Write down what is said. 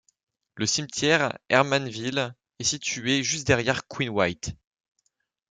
Le cimetière Hermanville est situé juste derrière Queen White.